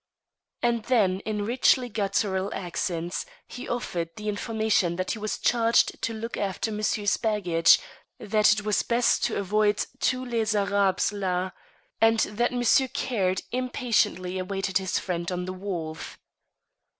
_" And then, in richly guttural accents, he offered the information that he was charged to look after monsieur's baggage; that it was best to avoid tous ces Arabes là, and that Monsieur Caird impatiently awaited his friend on the wharf.